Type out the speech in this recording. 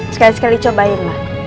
sekali sekali cobain pak